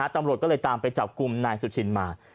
ตำรวจก็เลยตามไปจับกลุ่มนายสุชินมา